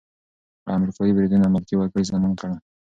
امریکايي بریدونه ملکي وګړي زیانمن کړل.